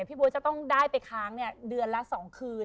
โบ๊ทจะต้องได้ไปค้างเดือนละ๒คืน